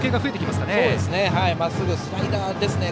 まっすぐとスライダーですね。